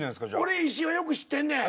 俺石井はよく知ってんねん。